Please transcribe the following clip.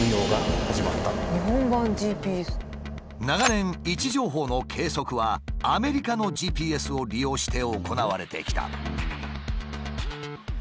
長年位置情報の計測はアメリカのＧＰＳを利用して行われてきた。